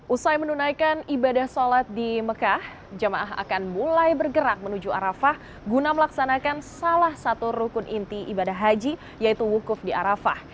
usai menunaikan ibadah sholat di mekah jemaah akan mulai bergerak menuju arafah guna melaksanakan salah satu rukun inti ibadah haji yaitu wukuf di arafah